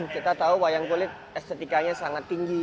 kita tahu wayang kulit estetikanya sangat tinggi